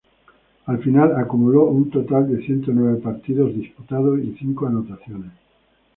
Al final, acumuló un total de ciento nueve partidos disputados y cinco anotaciones.